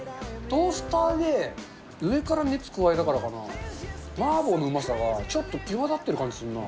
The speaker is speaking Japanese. トースターで上から熱加えたからかな、麻婆のうまさがちょっと際立っているような気がするな。